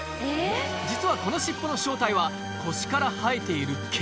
実はこの尻尾の正体は腰から生えている毛